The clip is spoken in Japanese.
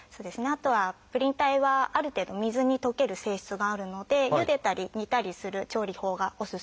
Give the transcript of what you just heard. あとはプリン体はある程度水に溶ける性質があるのでゆでたり煮たりする調理法がおすすめになります。